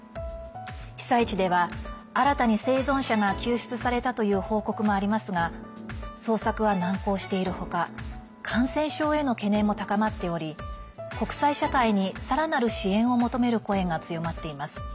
被災地では新たに生存者が救出されたという報告もありますが捜索は難航している他感染症への懸念も高まっており国際社会にさらなる支援を求める声が強まっています。